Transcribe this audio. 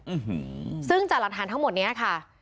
อื้อหือซึ่งจารัฐานทั้งหมดเนี่ยค่ะ